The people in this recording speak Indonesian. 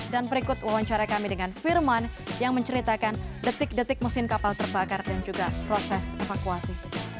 dan berikut wawancara kami dengan firman yang menceritakan detik detik musim kapal terbakar dan juga proses evakuasi